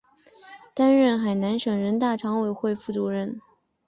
担任海南省人大常委会副主任。